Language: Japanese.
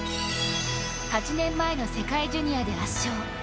８年前の世界ジュニアで圧勝。